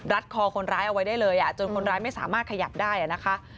คอคนร้ายเอาไว้ได้เลยจนคนร้ายไม่สามารถขยับได้นะคะ